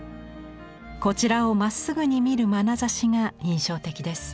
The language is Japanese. こちらをまっすぐに見るまなざしが印象的です。